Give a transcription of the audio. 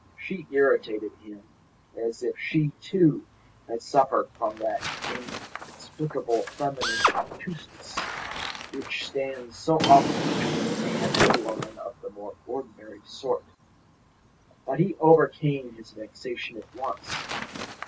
She irritated him as if she, too, had suffered from that inexplicable feminine obtuseness which stands so often between a man and a woman of the more ordinary sort. But he overcame his vexation at once.